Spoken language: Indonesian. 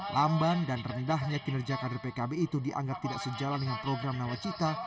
lamban dan rendahnya kinerja kader pkb itu dianggap tidak sejalan dengan program nawacita